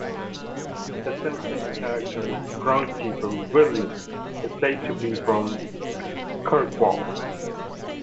"The Simpsons" character Groundskeeper Willie is said to be from Kirkwall.